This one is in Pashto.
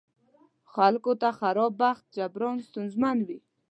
خلکو ته خراب بخت جبران ستونزمن وي.